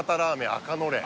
赤のれん